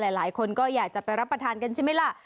หลายคนก็อยากจะไปรับประทานกันใช่ไหมล่ะ